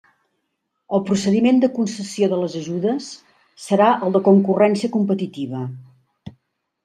El procediment de concessió de les ajudes serà el de concurrència competitiva.